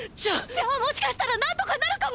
じゃあもしかしたら何とかなるかも！！